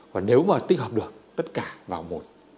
và nếu mà tích hợp được tất cả vào một